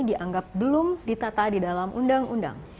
dianggap belum ditata di dalam undang undang